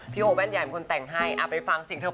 พี่โบนแว่นใหญ่คุณแต่งให้ไปฟังสิ่งที่เธอพ้อ